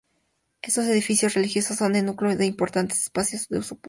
Estos edificios religiosos son el núcleo de importantes espacios de uso público.